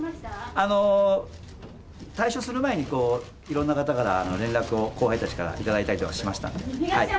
あの、退所する前に、いろんな方から連絡を、後輩たちから頂いたりとかしましたんで。